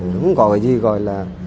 không có cái gì gọi là